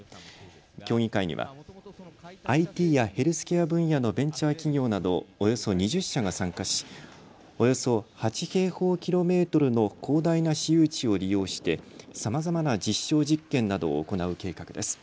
協議会にはＩＴやヘルスケア分野のベンチャー企業などおよそ２０社が参加しおよそ８平方キロメートルの広大な私有地を利用してさまざまな実証実験などを行う計画です。